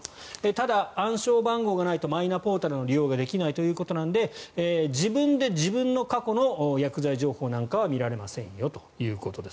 ただ、暗証番号がないとマイナポータルの利用ができないので自分で自分の過去の薬剤情報なんかは見られませんよということです。